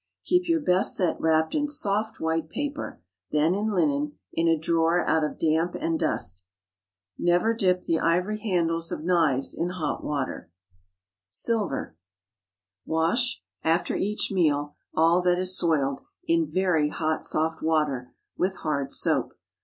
Keep your best set wrapped in soft white paper; then in linen, in a drawer out of damp and dust. Never dip the ivory handles of knives in hot water. SILVER. Wash, after each meal, all that is soiled, in very hot soft water, with hard soap.